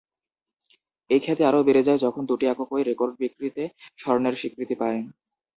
এই খ্যাতি আরও বেড়ে যায় যখন দুটি এককই রেকর্ড বিক্রিতে স্বর্ণের স্বীকৃতি পায়।